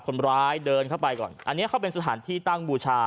คนร้ายเดินเข้าไปก่อนอันนี้เขาเป็นสถานที่ตั้งบูชา